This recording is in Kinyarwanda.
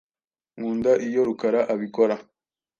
Nkunda iyo Rukara abikora.